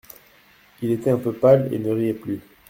Il était un peu pâle et ne riait plus.